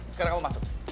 sekarang kamu masuk